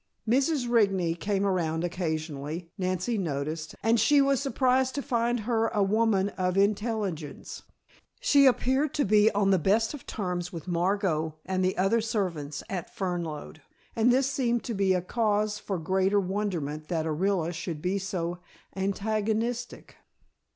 Mrs. Rigney came around occasionally, Nancy noticed, and she was surprised to find her a woman of intelligence. She appeared to be on the best of terms with Margot and the other servants at Fernlode, and this seemed to be cause for greater wonderment that Orilla should be so antagonistic.